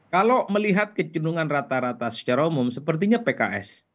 kalau melihat kecendungan rata rata secara umum sepertinya pks